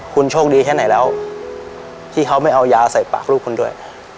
คุณโชคดีแค่ไหนแล้วที่เขาไม่เอายาใส่ปากลูกคุณด้วย